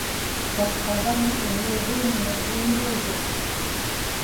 tatqavani Iñuuvigmi iñuuruk